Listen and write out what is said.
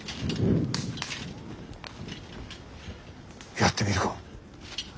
やってみるか。